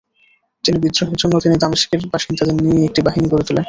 তিনি বিদ্রোহের জন্য তিনি দামেস্কের বাসিন্দাদের নিয়ে একটি বাহিনী গড়ে তোলেন।